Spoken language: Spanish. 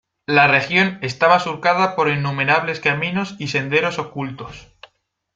La región estaba surcada por innumerables caminos y senderos ocultos.